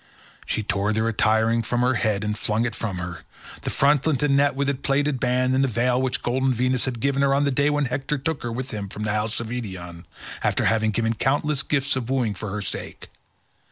She tore the attiring from her head and flung it from her, the frontlet and net with its plaited band, and the veil which golden Venus had given her on the day when Hector took her with him from the house of Eetion, after having given countless gifts of wooing for her sake.